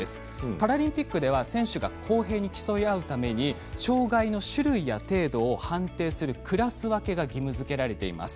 パラリンピックでは選手が公平に競い合うために障がいの種類や程度を判定するクラス分けが義務づけられています。